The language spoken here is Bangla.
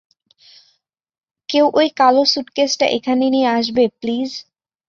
কেউ ওই কালো স্যুটকেসটা এখানে নিয়ে আসবে, প্লিজ?